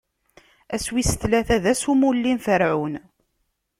Ass wis tlata, d ass n umulli n Ferɛun.